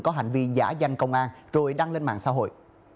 có hành vi giả danh công an rồi đăng lên mạng xã hội